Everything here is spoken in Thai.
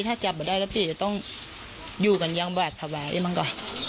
ถ้าจับได้แล้วพี่จะต้องอยู่กันยังหวาดภาวะนี่มั้งก็